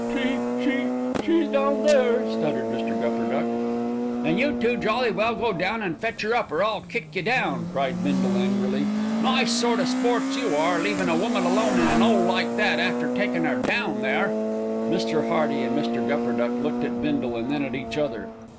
"She she she's down there," stuttered Mr. Gupperduck. "Then you two jolly well go down and fetch 'er up, or I'll kick you down," cried Bindle angrily. "Nice sort of sports you are, leavin' a woman alone in an 'ole like that, after takin' er down there." Mr. Hearty and Mr. Gupperduck looked at Bindle and then at each other.